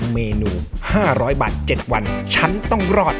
เมนู๕๐๐บาท๗วันฉันต้องรอด